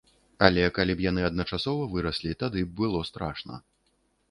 Але калі б яны адначасова выраслі, тады б было страшна.